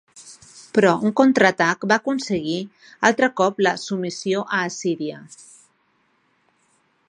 Però un contraatac va aconseguir altre cop la submissió a Assíria.